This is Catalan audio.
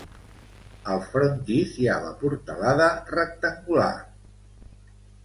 Al frontis hi ha la portalada, rectangular.